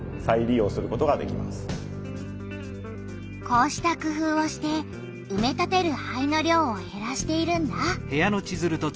こうした工夫をしてうめ立てる灰の量をへらしているんだ。